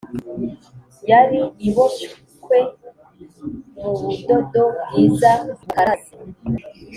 yari iboshywe mu budodo bwiza bukaraze